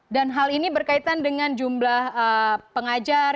dan hal ini berkaitan dengan jumlah pengajar